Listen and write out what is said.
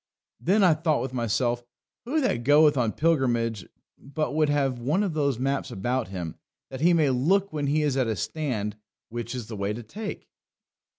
Then I thought with myself, who that goeth on pilgrimage but would have one of those maps about him, that he may look when he is at a stand, which is the way to take?"